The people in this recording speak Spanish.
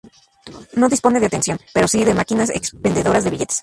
No dispone de atención pero sí de máquinas expendedoras de billetes.